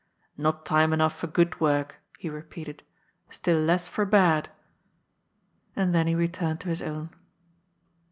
" Not time enough for good work," he repeated, " still less for bad." And then he returned to his own.